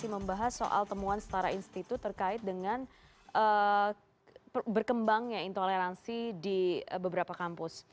membahas soal temuan setara institut terkait dengan berkembangnya intoleransi di beberapa kampus